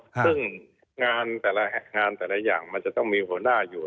ซึ่งงานแต่ละอย่างมันจะต้องมีหัวหน้าอยู่